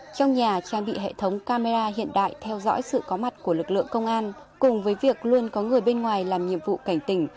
trong nhà trang bị hệ thống camera hiện đại theo dõi sự có mặt của lực lượng công an cùng với việc luôn có người bên ngoài làm nhiệm vụ cảnh tỉnh